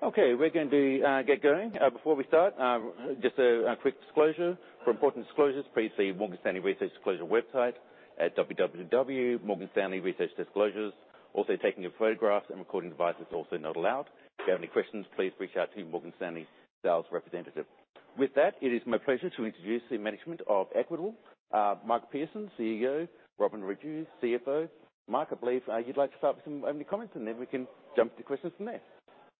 Okay, we're going to get going. Before we start, just a quick disclosure. For important disclosures, please see Morgan Stanley Research Disclosure website at www.morganstanley.com/researchdisclosures. Taking of photographs and recording devices is also not allowed. If you have any questions, please reach out to your Morgan Stanley sales representative. With that, it is my pleasure to introduce the management of Equitable, Mark Pearson, CEO; Robin Raju, CFO. Mark, I believe, you'd like to start with some opening comments, and then we can jump to questions from there.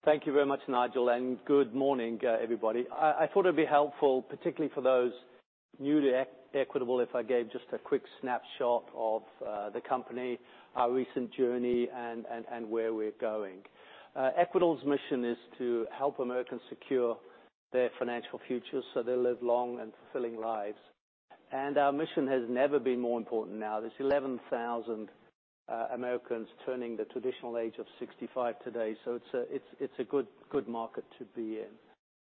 Thank you very much, Nigel. Good morning, everybody. I thought it'd be helpful, particularly for those new to Equitable, if I gave just a quick snapshot of the company, our recent journey, and where we're going. Equitable's mission is to help Americans secure their financial future so they live long and fulfilling lives. Our mission has never been more important now. There's 11,000 Americans turning the traditional age of 65 today, so it's a good market to be in.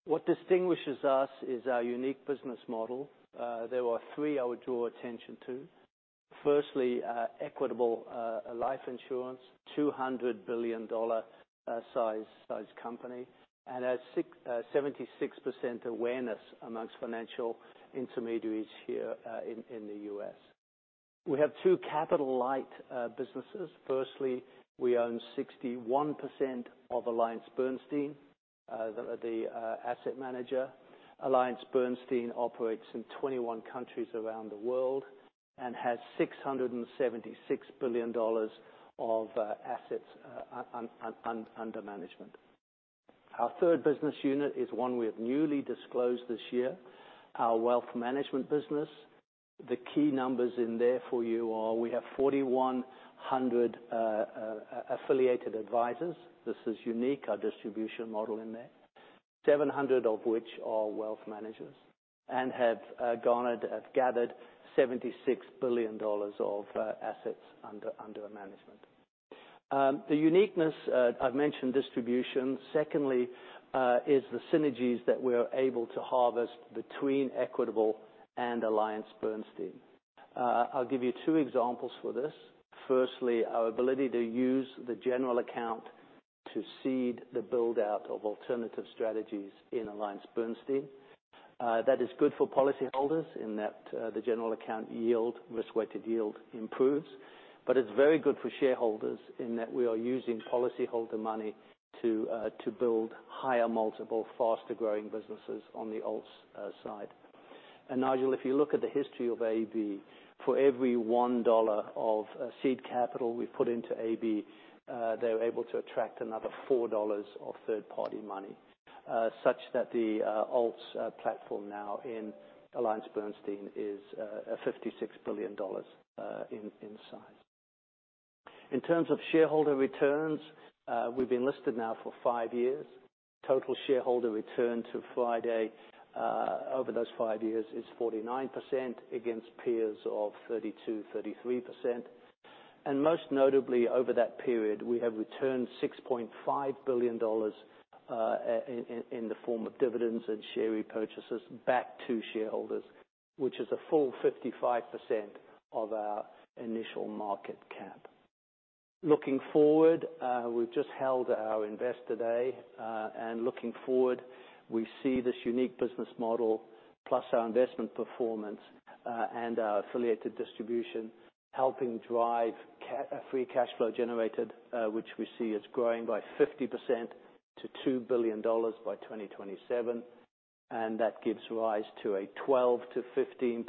What distinguishes us is our unique business model. There are three I would draw attention to. Firstly, Equitable life insurance, a $200 billion size company, and a 76% awareness amongst financial intermediaries here in the U.S. We have two capital light businesses. We own 61% of AllianceBernstein, the asset manager. AllianceBernstein operates in 21 countries around the world and has $676 billion of assets under management. Our third business unit is one we have newly disclosed this year, our wealth management business. The key numbers in there for you are, we have 4,100 affiliated advisors. This is unique, our distribution model in there. 700 of which are wealth managers and have gathered $76 billion of assets under management. The uniqueness I've mentioned distribution. Is the synergies that we're able to harvest between Equitable and AllianceBernstein. I'll give you two examples for this. Our ability to use the general account to seed the build-out of alternative strategies in AllianceBernstein. That is good for policyholders in that the general account yield, risk-weighted yield improves, but it's very good for shareholders in that we are using policyholder money to build higher multiple, faster-growing businesses on the alts side. Nigel, if you look at the history of AB, for every $1 of seed capital we put into AB, they were able to attract another $4 of third-party money, such that the alts platform now in AllianceBernstein is $56 billion in size. In terms of shareholder returns, we've been listed now for 5 years. Total shareholder return (TSR) to Friday, over those five years is 49% against peers of 32%-33%. Most notably, over that period, we have returned $6.5 billion in the form of dividends and share repurchases back to shareholders, which is a full 55% of our initial market cap. Looking forward, we've just held our Investor Day, and looking forward, we see this unique business model plus our investment performance and our affiliated distribution, helping drive free cash flow generated, which we see is growing by 50% to $2 billion by 2027. That gives rise to a 12%-15%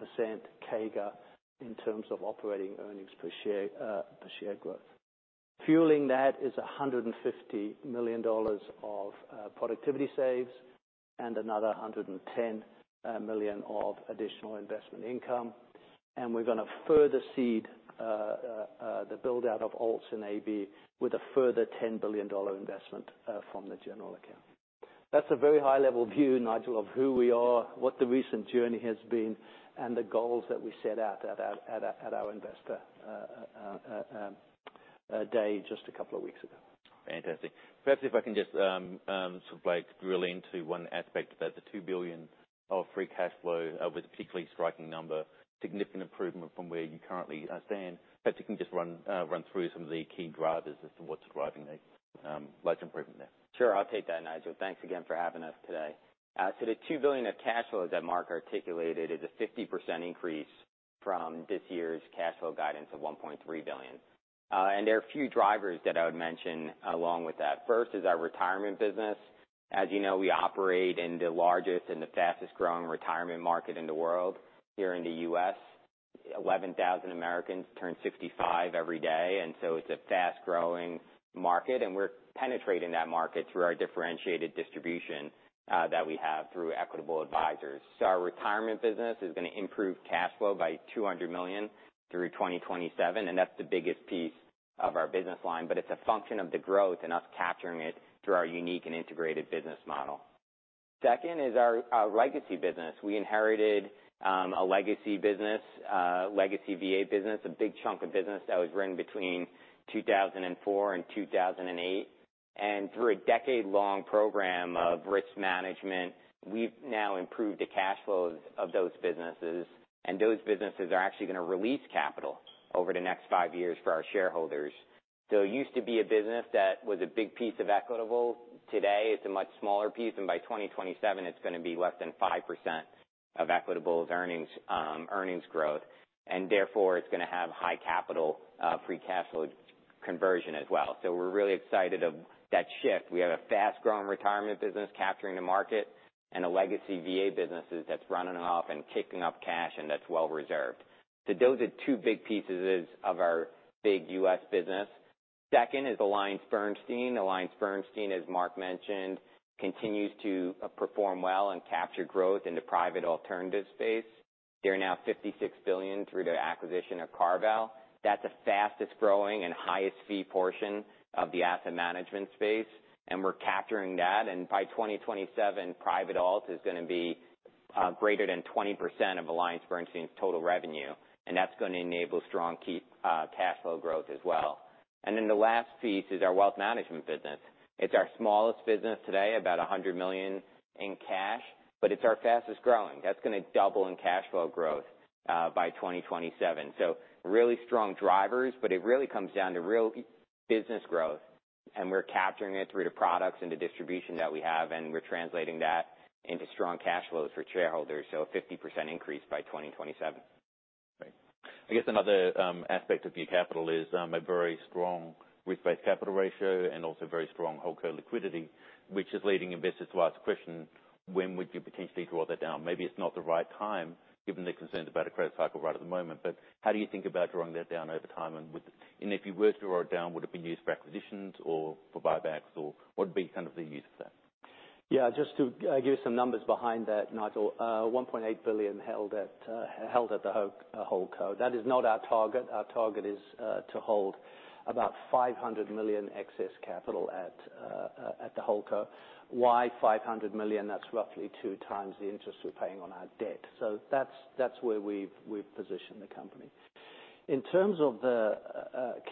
CAGR in terms of operating earnings per share per share growth. Fueling that is $150 million of productivity saves and another $110 million of additional investment income. We're gonna further seed the build-out of alts in AB with a further $10 billion investment from the general account. That's a very high-level view, Nigel, of who we are, what the recent journey has been, and the goals that we set out at our Investor Day, just a couple of weeks ago. Fantastic. Perhaps if I can just, sort of like drill into one aspect about the $2 billion of free cash flow, was a particularly striking number, significant improvement from where you currently stand. Perhaps you can just run through some of the key drivers as to what's driving the large improvement there. Sure, I'll take that, Nigel. Thanks again for having us today. The $2 billion of cash flow that Mark articulated is a 50% increase from this year's cash flow guidance of $1.3 billion. There are a few drivers that I would mention along with that. First is our retirement business. As you know, we operate in the largest and the fastest-growing retirement market in the world. Here in the U.S., 11,000 Americans turn 65 every day, and so it's a fast-growing market, and we're penetrating that market through our differentiated distribution, that we have through Equitable Advisors. Our retirement business is gonna improve cash flow by $200 million through 2027, and that's the biggest piece of our business line, but it's a function of the growth and us capturing it through our unique and integrated business model. Second is our legacy business. We inherited a legacy business, legacy VA business, a big chunk of business that was run between 2004 and 2008. Through a decade-long program of risk management, we've now improved the cash flows of those businesses, and those businesses are actually gonna release capital over the next five years for our shareholders. It used to be a business that was a big piece of Equitable. Today, it's a much smaller piece, and by 2027, it's gonna be less than 5% of Equitable's earnings growth, and therefore, it's going to have high capital, free cash flow conversion as well. We're really excited of that shift. We have a fast-growing retirement business capturing the market and a legacy VA businesses that's running off and kicking up cash, and that's well reserved. Those are two big pieces of our big U.S. business. Second is AllianceBernstein. AllianceBernstein, as Mark mentioned, continues to perform well and capture growth in the private alternative space. They're now $56 billion through their acquisition of CarVal. That's the fastest growing and highest fee portion of the asset management space, we're capturing that. By 2027, private alts is going to be greater than 20% of AllianceBernstein's total revenue, that's going to enable strong key cash flow growth as well. The last piece is our wealth management business. It's our smallest business today, about $100 million in cash, but it's our fastest growing. That's going to double in cash flow growth by 2027. Really strong drivers, but it really comes down to real business growth, and we're capturing it through the products and the distribution that we have, and we're translating that into strong cash flows for shareholders. A 50% increase by 2027. Great. I guess another, aspect of your capital is, a very strong risk-based capital ratio and also very strong HoldCo liquidity, which is leading investors to ask questions, when would you potentially draw that down? Maybe it's not the right time, given the concerns about a credit cycle right at the moment, but how do you think about drawing that down over time? If you were to draw it down, would it be used for acquisitions or for buybacks, or what would be kind of the use of that? Just to give you some numbers behind that, Nigel, $1.8 billion held at the HoldCo. That is not our target. Our target is to hold about $500 million excess capital at the HoldCo. Why $500 million? That's roughly two times the interest we're paying on our debt. That's where we've positioned the company. In terms of the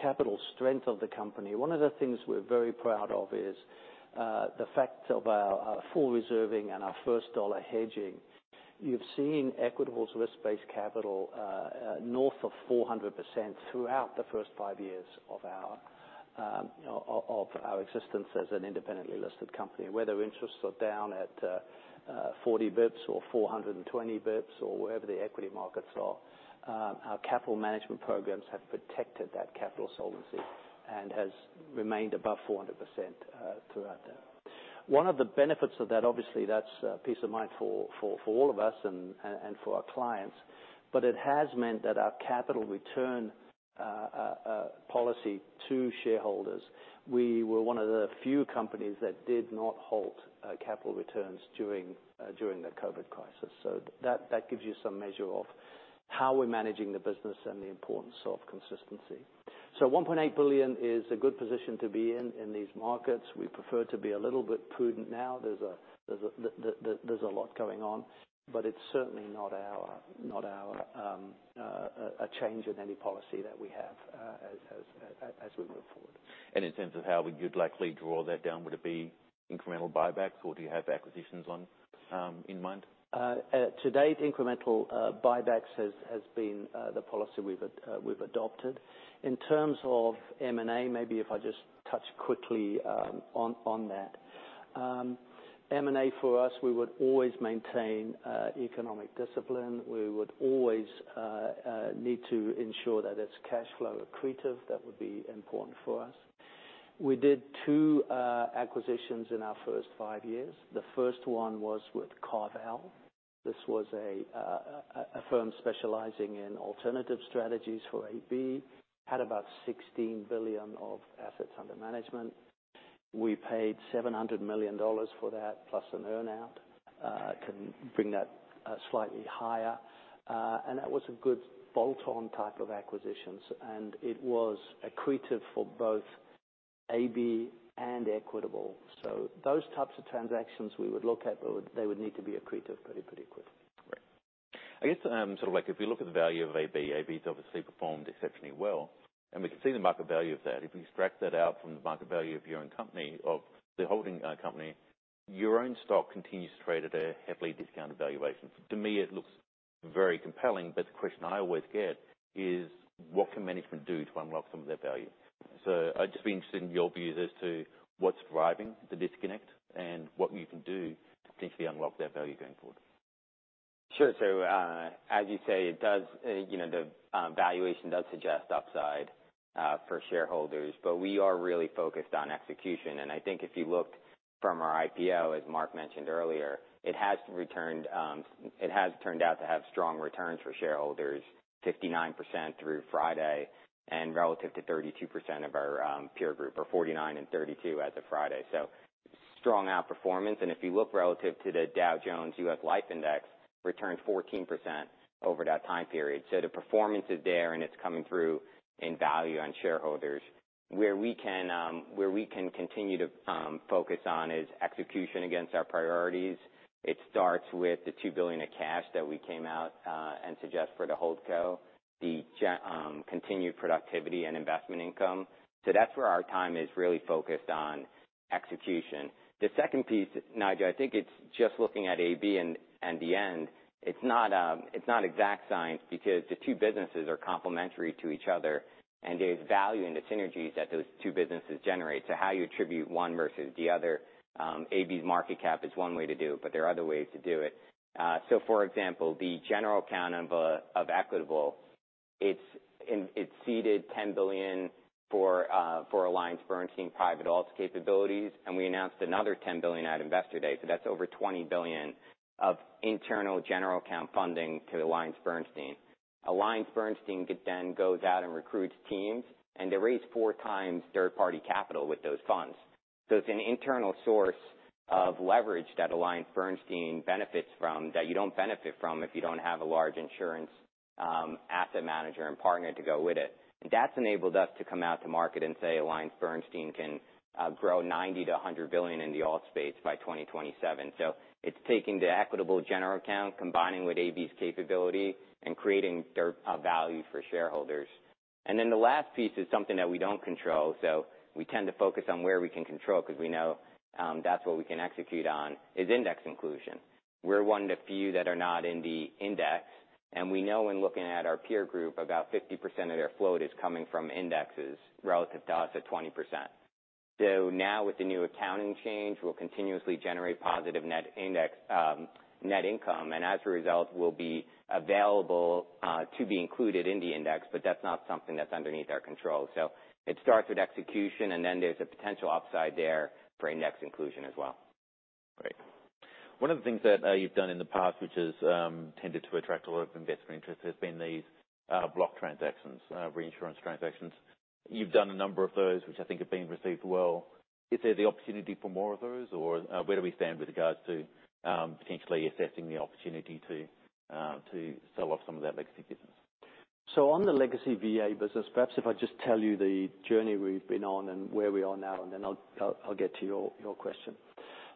capital strength of the company, one of the things we're very proud of is the fact of our full reserving and our first dollar hedging. You've seen Equitable's risk-based capital north of 400% throughout the first five years of our, you know, of our existence as an independently listed company. Whether interests are down at 40 basis points or 420 basis points or wherever the equity markets are, our capital management programs have protected that capital solvency and has remained above 400% throughout that. One of the benefits of that, obviously, that's peace of mind for all of us and for our clients, but it has meant that our capital return policy to shareholders, we were one of the few companies that did not halt capital returns during the COVID crisis. That gives you some measure of how we're managing the business and the importance of consistency. $1.8 billion is a good position to be in in these markets. We prefer to be a little bit prudent now. There's a lot going on, but it's certainly not a change in any policy that we have as we move forward. In terms of how we would likely draw that down, would it be incremental buybacks, or do you have acquisitions on in mind? To date, incremental buybacks has been the policy we've adopted. In terms of M&A, maybe if I just touch quickly on that. M&A for us, we would always maintain economic discipline. We would always need to ensure that it's cash flow accretive. That would be important for us. We did two acquisitions in our first 5 years. The first one was with CarVal. This was a firm specializing in alternative strategies for AB, had about $16 billion of assets under management. We paid $700 million for that, plus an earn-out, can bring that slightly higher. That was a good bolt-on type of acquisitions, and it was accretive for both AB and Equitable. Those types of transactions we would look at, but they would need to be accretive pretty quickly. Great. I guess, sort of like if you look at the value of AB's obviously performed exceptionally well, and we can see the market value of that. If we extract that out from the market value of your own company, of the holding company, your own stock continues to trade at a heavily discounted valuation. To me, it looks very compelling, but the question I always get is: What can management do to unlock some of that value? I'd just be interested in your view as to what's driving the disconnect and what you can do to potentially unlock that value going forward. Sure. As you say, it does, you know, the valuation does suggest upside for shareholders, but we are really focused on execution. I think if you look from our IPO, as Mark mentioned earlier, it has turned out to have strong returns for shareholders, 59% through Friday, and relative to 32% of our peer group, or 49 and 32 as of Friday. Strong outperformance. If you look relative to the Dow Jones U.S. Life Insurance Index, returned 14% over that time period. The performance is there, and it's coming through in value on shareholders. Where we can continue to focus on is execution against our priorities. It starts with the $2 billion of cash that we came out and suggest for the HoldCo, continued productivity and investment income. That's where our time is really focused on execution. The second piece, Nigel, I think it's just looking at AB and the end. It's not exact science because the two businesses are complementary to each other, and there's value in the synergies that those two businesses generate. How you attribute one versus the other, AB's market cap is one way to do it, but there are other ways to do it. For example, the general account of Equitable and it's seeded $10 billion for AllianceBernstein private alts capabilities, and we announced another $10 billion at Investor Day. That's over $20 billion of internal general account funding to AllianceBernstein. AllianceBernstein goes out and recruits teams, they raise 4 times third-party capital with those funds. It's an internal source of leverage that AllianceBernstein benefits from, that you don't benefit from if you don't have a large insurance asset manager and partner to go with it. That's enabled us to come out to market and say, AllianceBernstein can grow $90 billion to $100 billion in the alt space by 2027. It's taking the Equitable general account, combining with AB's capability, and creating deep value for shareholders. The last piece is something that we don't control. We tend to focus on where we can control, 'cause we know that's what we can execute on, is index inclusion. We're one of the few that are not in the index. We know when looking at our peer group, about 50% of their float is coming from indexes relative to us at 20%. Now with the new accounting change, we'll continuously generate positive net index, net income. As a result, we'll be available to be included in the index. That's not something that's underneath our control. It starts with execution. There's a potential upside there for index inclusion as well. Great. One of the things that you've done in the past, which has tended to attract a lot of investor interest, has been these block transactions, reinsurance transactions. You've done a number of those, which I think have been received well. Is there the opportunity for more of those, or where do we stand with regards to potentially assessing the opportunity to sell off some of that legacy business? On the legacy VA business, perhaps if I just tell you the journey we've been on and where we are now, and then I'll get to your question.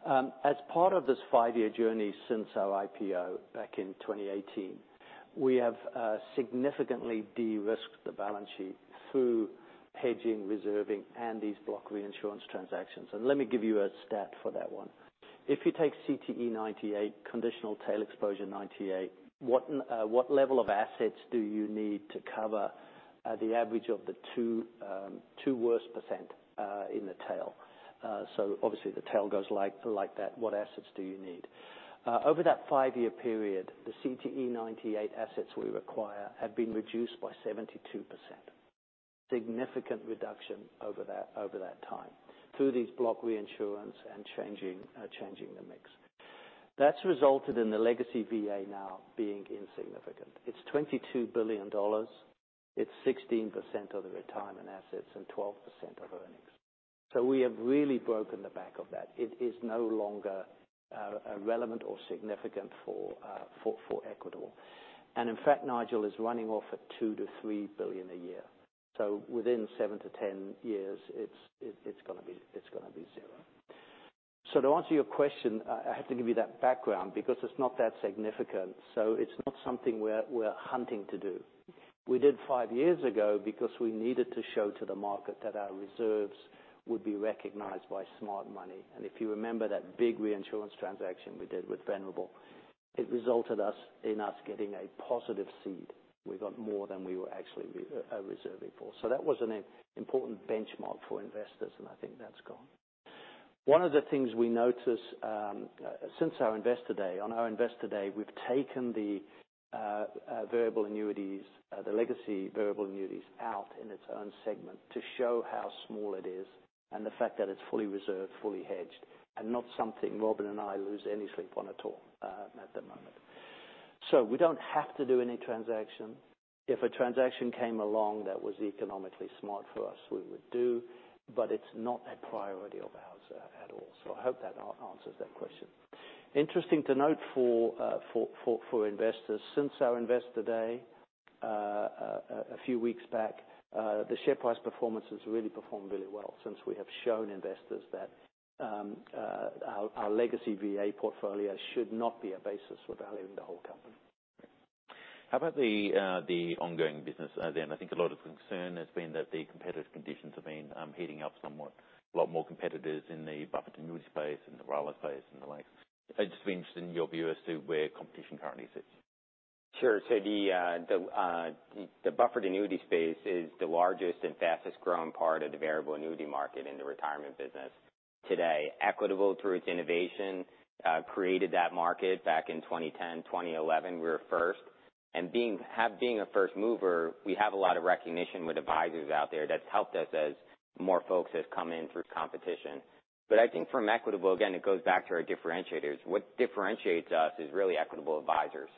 As part of this 5-year journey since our IPO back in 2018, we have significantly de-risked the balance sheet through hedging, reserving, and these block reinsurance transactions. Let me give you a stat for that one. If you take CTE 98, Conditional Tail Expectation 98, what level of assets do you need to cover the average of the 2 worst percent in the tail? Obviously, the tail goes like that. What assets do you need? Over that 5-year period, the CTE 98 assets we require have been reduced by 72%. Significant reduction over that time through these block reinsurance and changing the mix. That's resulted in the legacy VA now being insignificant. It's $22 billion. It's 16% of the retirement assets and 12% of earnings. We have really broken the back of that. It is no longer relevant or significant for Equitable. In fact, Nigel is running off at $2 billion-$3 billion a year. Within 7-10 years, it's gonna be zero. To answer your question, I have to give you that background because it's not that significant, so it's not something we're hunting to do. We did 5 years ago because we needed to show to the market that our reserves would be recognized by smart money. If you remember that big reinsurance transaction we did with Venerable, it resulted in us getting a positive seed. We got more than we were actually reserving for. That was an important benchmark for investors, and I think that's gone. One of the things we noticed since our Investor Day, on our Investor Day, we've taken the variable annuities, the legacy variable annuities out in its own segment to show how small it is and the fact that it's fully reserved, fully hedged, and not something Robin and I lose any sleep on at all at the moment. We don't have to do any transaction. If a transaction came along that was economically smart for us, we would do, but it's not a priority of ours at all. I hope that answers that question. Interesting to note for investors, since our Investor Day, a few weeks back, the share price performance has really performed really well since we have shown investors that, our legacy VA portfolio should not be a basis for valuing the whole company. How about the ongoing business then? I think a lot of concern has been that the competitive conditions have been heating up somewhat, a lot more competitors in the buffered annuity space, in the RILA space, and the like. I'd just be interested in your view as to where competition currently sits. Sure. The buffered annuity space is the largest and fastest growing part of the variable annuity market in the retirement business. Today, Equitable, through its innovation, created that market back in 2010, 2011. We were first, and being a first mover, we have a lot of recognition with advisors out there. That's helped us as more folks have come in through competition. I think from Equitable, again, it goes back to our differentiators. What differentiates us is really Equitable Advisors.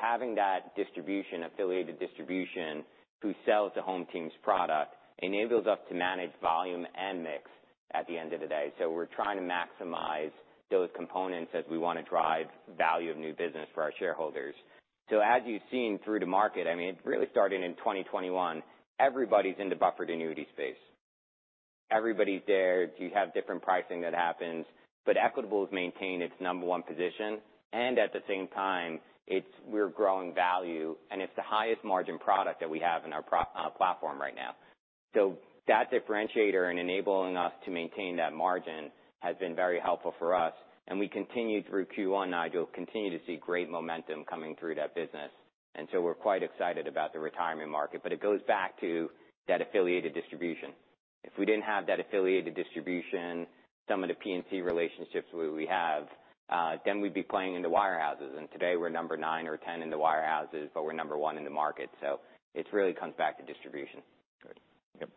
Having that distribution, affiliated distribution, who sells the home team's product, enables us to manage volume and mix at the end of the day. We're trying to maximize those components as we want to drive value of new business for our shareholders. As you've seen through the market, I mean, it really started in 2021, everybody's in the buffered annuity space. Everybody's there. You have different pricing that happens, Equitable has maintained its number one position, and at the same time, we're growing value, and it's the highest margin product that we have in our platform right now. That differentiator in enabling us to maintain that margin has been very helpful for us, and we continue through Q1, Nigel, continue to see great momentum coming through that business. We're quite excited about the retirement market. It goes back to that affiliated distribution. If we didn't have that affiliated distribution, some of the P&C relationships where we have, then we'd be playing in the wirehouses. Today we're number 9 or 10 in the wirehouses, but we're number one in the market, so it's really comes back to distribution. Good. Yep.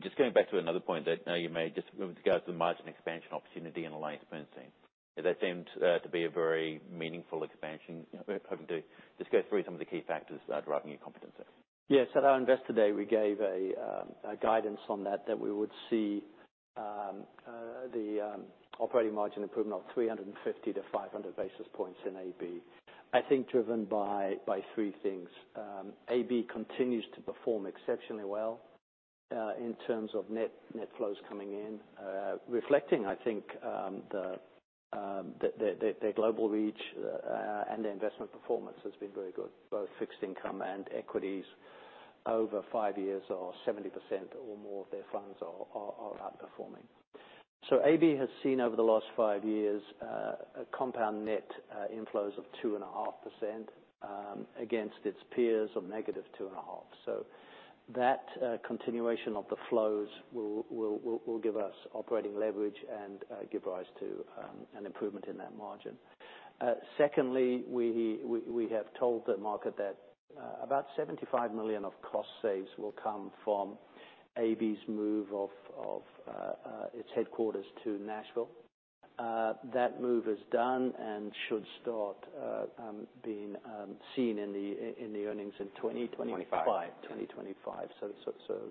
Just going back to another point that you made, just go to the margin expansion opportunity in AllianceBernstein. That seemed to be a very meaningful expansion. You know, hoping to just go through some of the key factors that are driving your confidence there. Yes, at our Investor Day, we gave guidance on that we would see the operating margin improvement of 350-500 basis points in AB. I think driven by three things. AB continues to perform exceptionally well in terms of net flows coming in, reflecting, I think, their global reach, and their investment performance has been very good. Both fixed income and equities over five years or 70% or more of their funds are outperforming. AB has seen over the last five years a compound net inflows of 2.5% against its peers of -2.5%. That continuation of the flows will give us operating leverage and give rise to an improvement in that margin. Secondly, we have told the market that about $75 million of cost saves will come from AB's move of its headquarters to Nashville. That move is done and should start being seen in the earnings in 2020. 25. 2025.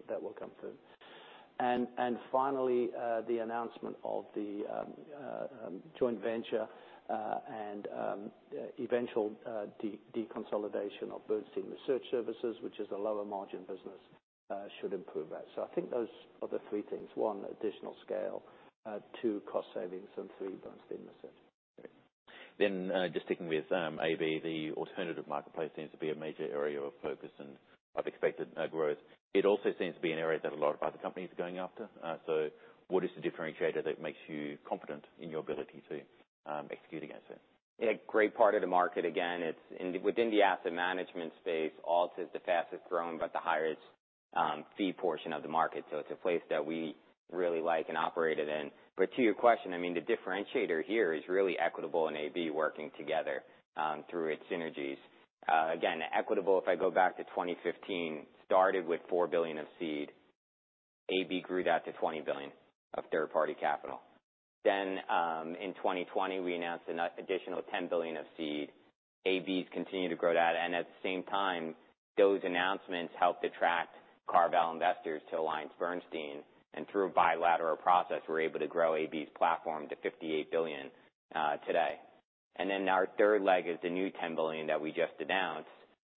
That will come through. Finally, the announcement of the joint venture and eventual deconsolidation of Bernstein Research Services, which is a lower margin business, should improve that. I think those are the three things. One, additional scale, two, cost savings, and three, Bernstein Research. Just sticking with AB, the alternative marketplace seems to be a major area of focus, and I've expected no growth. It also seems to be an area that a lot of other companies are going after. What is the differentiator that makes you confident in your ability to execute against it? A great part of the market. Again, it's within the asset management space, alt is the fastest growing, but the highest fee portion of the market. It's a place that we really like and operate it in. To your question, I mean, the differentiator here is really Equitable and AB working together through its synergies. Again, Equitable, if I go back to 2015, started with $4 billion of seed. AB grew that to $20 billion of third-party capital. In 2020, we announced an additional $10 billion of seed. AB's continued to grow that, and at the same time, those announcements helped attract CarVal Investors to AllianceBernstein, and through a bilateral process, we're able to grow AB's platform to $58 billion today. Our third leg is the new $10 billion that we just announced,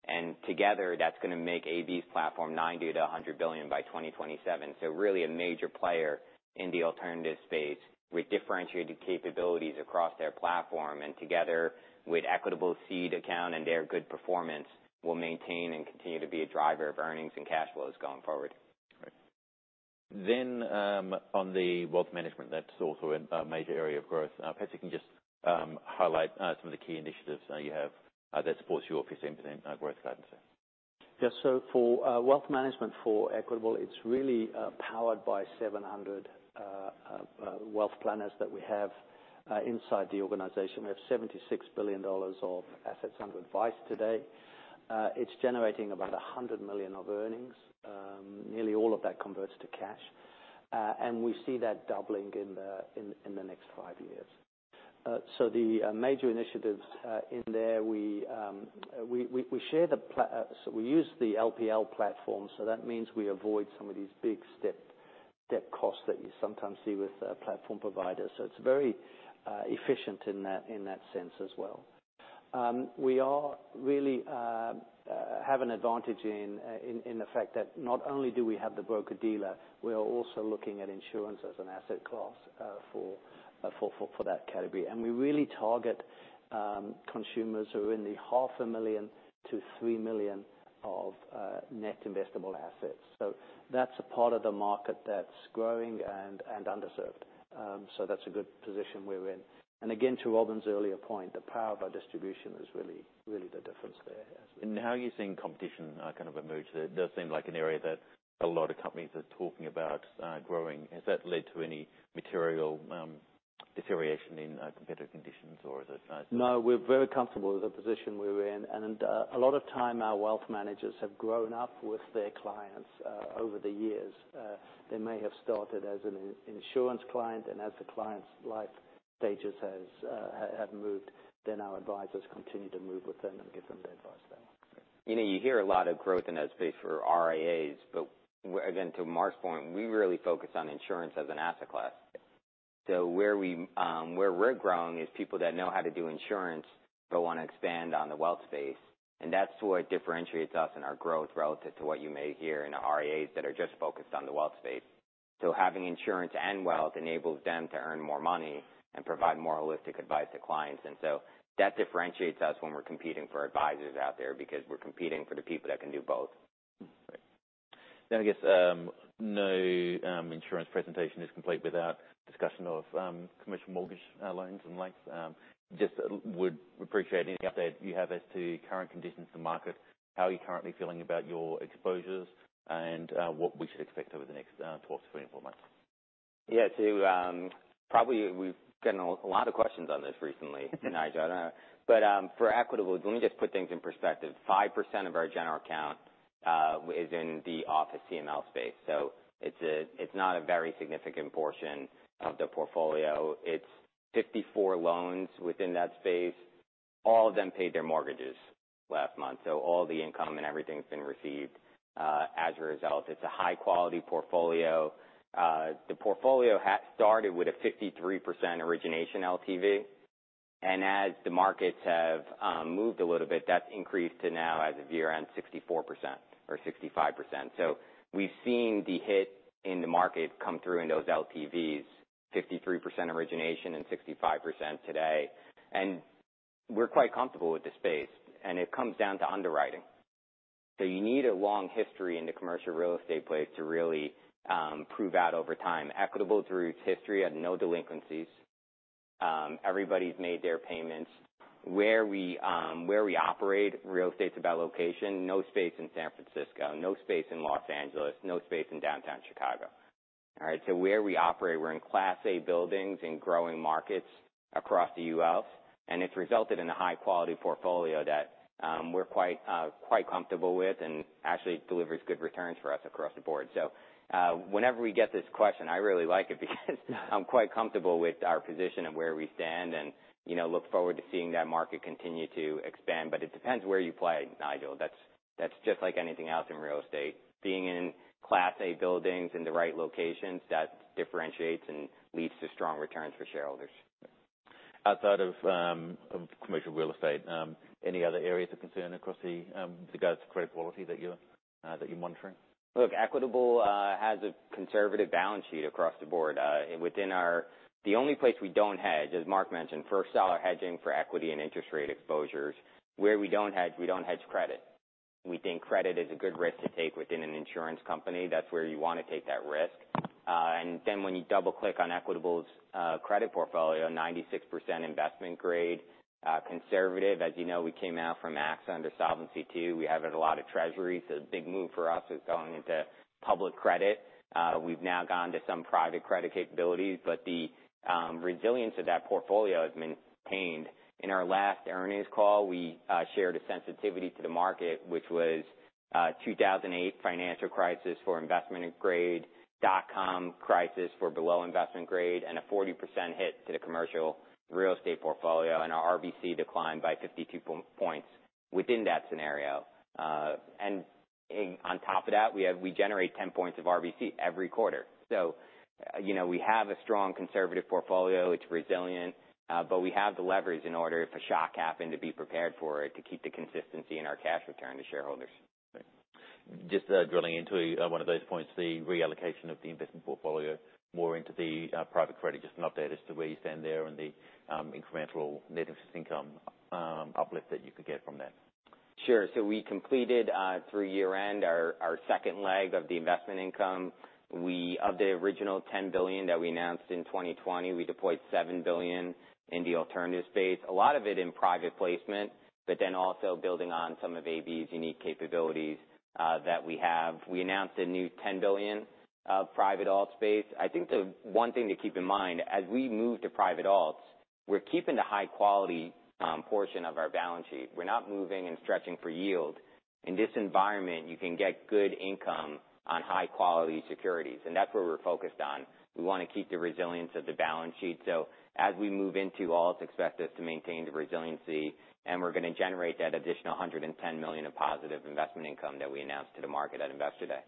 and together, that's going to make AB's platform $90 billion-$100 billion by 2027. Really a major player in the alternative space with differentiated capabilities across their platform, and together with Equitable seed account and their good performance, will maintain and continue to be a driver of earnings and cash flows going forward. Great. On the wealth management, that's also a major area of growth. Perhaps you can just highlight some of the key initiatives you have that supports your 15% growth guidance there. Yes, for wealth management for Equitable, it's really powered by 700 wealth planners that we have inside the organization. We have $76 billion of assets under advice today. It's generating about $100 million of earnings. Nearly all of that converts to cash. We see that doubling in the next 5 years. The major initiatives in there, we share the LPL platform, that means we avoid some of these big step costs that you sometimes see with platform providers. It's very efficient in that sense as well. We are really have an advantage in the fact that not only do we have the broker-dealer, we are also looking at insurance as an asset class for that category. We really target consumers who are in the half a million to $3 million of net investable assets. That's a part of the market that's growing and underserved. That's a good position we're in. Again, to Robin's earlier point, the power of our distribution is really the difference there. How are you seeing competition, kind of emerge there? It does seem like an area that a lot of companies are talking about, growing. Has that led to any material deterioration in competitive conditions, or is it not? We're very comfortable with the position we're in, and a lot of time our wealth managers have grown up with their clients over the years. They may have started as an insurance client, and as the client's life stages has, have moved, then our advisors continue to move with them and give them the advice then. You know, you hear a lot of growth in that space for RIAs, but again, to Mark's point, we really focus on insurance as an asset class. Where we're growing is people that know how to do insurance, but want to expand on the wealth space, and that's what differentiates us and our growth relative to what you may hear in the RIAs that are just focused on the wealth space. Having insurance and wealth enables them to earn more money and provide more holistic advice to clients. That differentiates us when we're competing for advisors out there, because we're competing for the people that can do both. Great. I guess, no insurance presentation is complete without discussion of commercial mortgage loans and liens. Just would appreciate any update you have as to current conditions in the market, how you're currently feeling about your exposures, and what we should expect over the next 12-24 months. Probably we've gotten a lot of questions on this recently, Nigel, I know. For Equitable, let me just put things in perspective. 5% of our general account is in the office CML space, it's not a very significant portion of the portfolio. It's 54 loans within that space. All of them paid their mortgages last month, all the income and everything's been received as a result. It's a high-quality portfolio. The portfolio started with a 53% origination LTV, as the markets have moved a little bit, that's increased to now, as of year-end, 64% or 65%. We've seen the hit in the market come through in those LTVs, 53% origination and 65% today. We're quite comfortable with the space, it comes down to underwriting. You need a long history in the commercial real estate place to really prove out over time. Equitable, through its history, had no delinquencies. Everybody's made their payments. Where we operate, real estate's about location, no space in San Francisco, no space in Los Angeles, no space in downtown Chicago. All right? Where we operate, we're in Class A buildings in growing markets across the U.S., and it's resulted in a high-quality portfolio that we're quite comfortable with and actually delivers good returns for us across the board. Whenever we get this question, I really like it because I'm quite comfortable with our position and where we stand, and, you know, look forward to seeing that market continue to expand. It depends where you play, Nigel. That's just like anything else in real estate. Being in Class A buildings in the right locations, that differentiates and leads to strong returns for shareholders. Outside of commercial real estate, any other areas of concern across the regards to credit quality that you're monitoring? Look, Equitable has a conservative balance sheet across the board. The only place we don't hedge, as Mark mentioned, first dollar hedging for equity and interest rate exposures. Where we don't hedge, we don't hedge credit. We think credit is a good risk to take within an insurance company. That's where you wanna take that risk. When you double-click on Equitable's credit portfolio, 96% investment grade, conservative. As you know, we came out from AXA to Solvency II. We have a lot of treasuries. A big move for us is going into public credit. We've now gone to some private credit capabilities, but the resilience of that portfolio has been maintained. In our last earnings call, we shared a sensitivity to the market, which was 2008 financial crisis for investment grade, dot-com crisis for below investment grade, and a 40% hit to the commercial real estate portfolio, and our RBC declined by 52 points within that scenario. On top of that, we generate 10 points of RBC every quarter. You know, we have a strong conservative portfolio. It's resilient, but we have the leverage in order, if a shock happened, to be prepared for it, to keep the consistency in our cash return to shareholders. Just drilling into one of those points, the reallocation of the investment portfolio more into the private credit. Just an update as to where you stand there and the incremental net interest income uplift that you could get from that. Sure. We completed, through year-end, our second leg of the investment income. Of the original $10 billion that we announced in 2020, we deployed $7 billion in the alternative space, a lot of it in private placement, also building on some of AB's unique capabilities that we have. We announced a new $10 billion of private alt space. I think the one thing to keep in mind, as we move to private alts, we're keeping the high-quality portion of our balance sheet. We're not moving and stretching for yield. In this environment, you can get good income on high-quality securities, that's where we're focused on. We wanna keep the resilience of the balance sheet. As we move into alts, expect us to maintain the resiliency, and we're going to generate that additional $110 million of positive investment income that we announced to the market at Investor Day.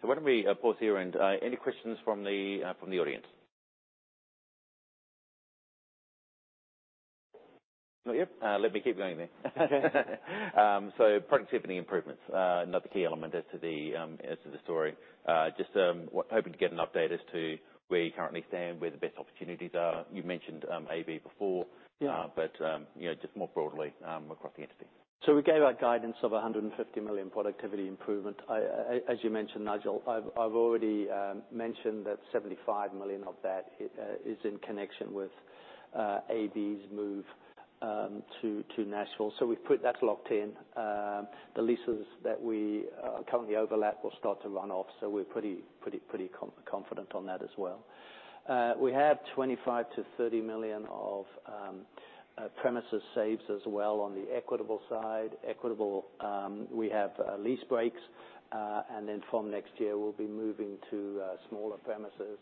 Why don't we pause here. Any questions from the audience? Not yet? Let me keep going then. Productivity improvements, another key element as to the story. Just, we're hoping to get an update as to where you currently stand, where the best opportunities are. You mentioned AB before. Yeah. You know, just more broadly, across the entity. We gave our guidance of $150 million productivity improvement. As you mentioned, Nigel, I've already mentioned that $75 million of that is in connection with AB's move to Nashville. We've put that locked in. The leases that we currently overlap will start to run off, we're pretty confident on that as well. We have $25 million-$30 million of premises saves as well on the Equitable side. Equitable, we have lease breaks, from next year we'll be moving to smaller premises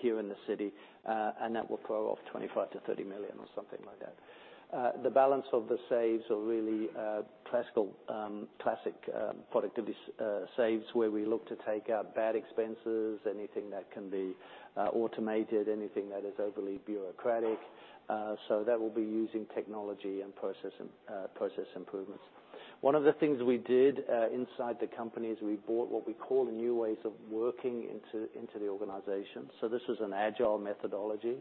here in the city, that will throw off $25 million-$30 million or something like that. The balance of the saves are really classical, classic productivity saves, where we look to take out bad expenses, anything that can be automated, anything that is overly bureaucratic. That will be using technology and process process improvements. One of the things we did inside the company is we brought what we call the new ways of working into the organization. This is an agile methodology.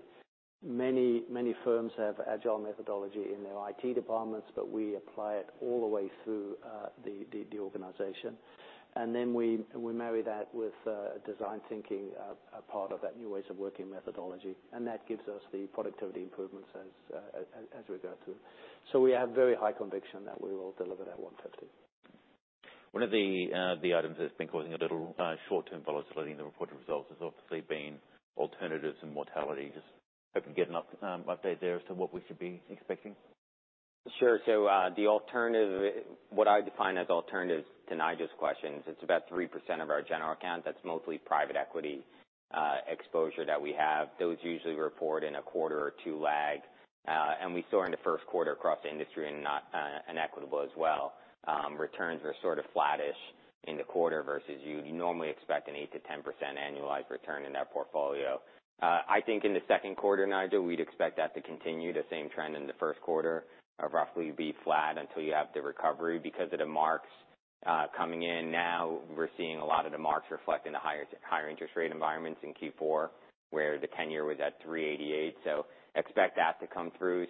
Many firms have agile methodology in their IT departments, but we apply it all the way through the organization. We marry that with design thinking as a part of that new ways of working methodology, that gives us the productivity improvements as we go through. We have very high conviction that we will deliver that $150. One of the items that's been causing a little short-term volatility in the reported results has obviously been alternatives and mortality. Just hoping to get an update there as to what we should be expecting. Sure. The alternative, what I define as alternatives to Nigel's question, it's about 3% of our general account. That's mostly private equity exposure that we have. Those usually report in a quarter or 2 lag, we saw in the first quarter across the industry and not Equitable as well, returns are sort of flattish in the quarter versus you'd normally expect an 8%-10% annualized return in that portfolio. I think in the second quarter, Nigel, we'd expect that to continue the same trend in the first quarter, roughly be flat until you have the recovery because of the marks coming in now. We're seeing a lot of the marks reflect in the higher interest rate environments in Q4, where the 10-year was at 3.88. Expect that to come through.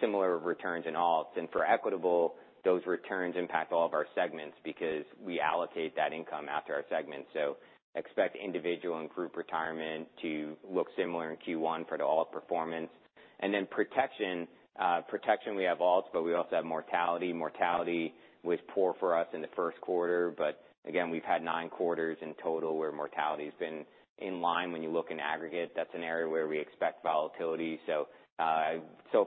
Similar returns in all. For Equitable, those returns impact all of our segments because we allocate that income after our segments. Expect individual and group retirement to look similar in Q1 for the all performance. Protection, protection, we have alts, but we also have mortality. Mortality was poor for us in the first quarter, but again, we've had nine quarters in total where mortality's been in line. When you look in aggregate, that's an area where we expect volatility. So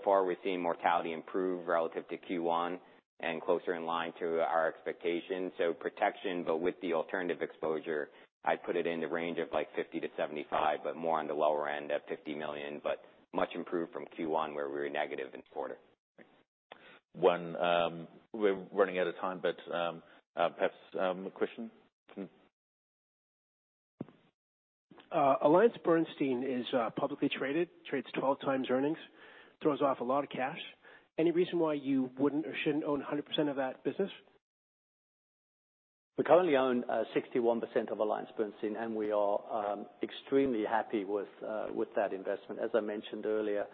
far, we've seen mortality improve relative to Q1 and closer in line to our expectations. Protection, but with the alternative exposure, I'd put it in the range of, like, $50-$75, but more on the lower end at $50 million, but much improved from Q1, where we were negative in the quarter. One, We're running out of time, but perhaps a question? AllianceBernstein is publicly traded, trades 12 times earnings, throws off a lot of cash. Any reason why you wouldn't or shouldn't own 100% of that business? We currently own 61% of AllianceBernstein, and we are extremely happy with that investment. As I mentioned earlier,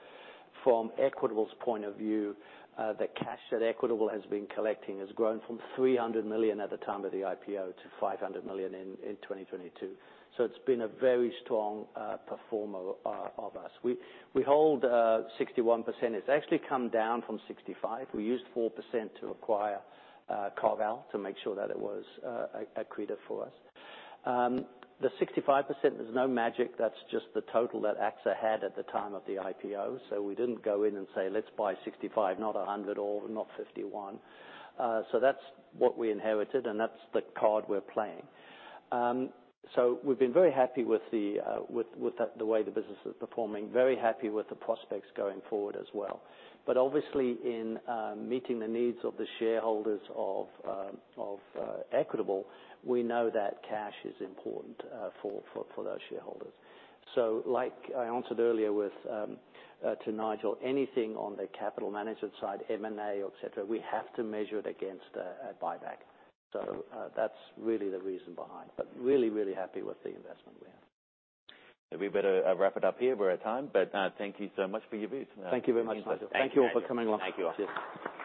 from Equitable's point of view, the cash that Equitable has been collecting has grown from $300 million at the time of the IPO to $500 million in 2022. It's been a very strong performer of us. We hold 61%. It's actually come down from 65. We used 4% to acquire CarVal, to make sure that it was accretive for us. The 65%, there's no magic. That's just the total that AXA had at the time of the IPO. We didn't go in and say, "Let's buy 65, not 100 or not 51." That's what we inherited, and that's the card we're playing. We've been very happy with the way the business is performing, very happy with the prospects going forward as well. Obviously, in meeting the needs of the shareholders of Equitable, we know that cash is important for those shareholders. Like I answered earlier with to Nigel, anything on the capital management side, M&A, et cetera, we have to measure it against a buyback. That's really the reason behind. Really happy with the investment we have. We better wrap it up here. We're at time. Thank you so much for your views. Thank you very much, Nigel. Thank you. Thank you all for coming along. Thank you.